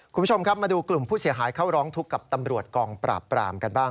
คุณผู้ชมครับมาดูกลุ่มผู้เสียหายเข้าร้องทุกข์กับตำรวจกองปราบปรามกันบ้าง